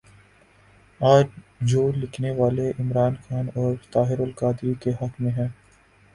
آج جو لکھنے والے عمران خان اور طاہرالقادری کے حق میں ہیں۔